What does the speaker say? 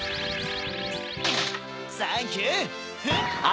サンキュー！